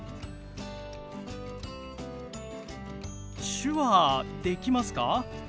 手話できますか？